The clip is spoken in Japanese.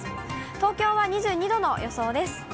東京は２２度の予想です。